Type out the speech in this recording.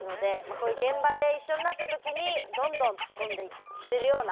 こういう現場で一緒になった時にどんどんツッコんでくれるような。